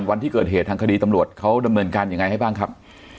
วันที่เกิดเหตุทางคดีตำรวจเขาดำเนินการยังไงให้บ้างครับ